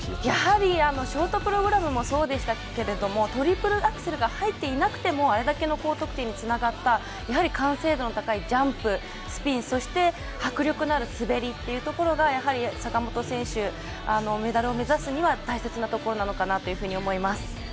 やはりショートプログラムもそうでしたけど、トリプルアクセルが入っていなくてもあれだけの高得点につながったやはり完成度の高いジャンプ、スピンそして迫力のある滑りが坂本選手、メダルを目指すには大切なところなのかなと思います。